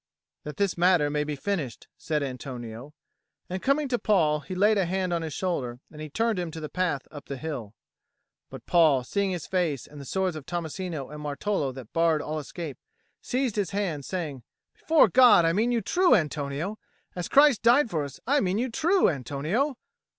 "That this matter may be finished," said Antonio; and, coming to Paul, he laid a hand on his shoulder and turned him to the path up the hill. But Paul, seeing his face and the swords of Tommasino and Martolo that barred all escape, seized his hand, saying, "Before God, I mean you true, Antonio! As Christ died for us, I mean you true, Antonio!"